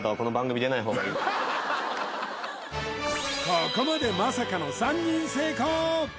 ここまでまさかの３人成功！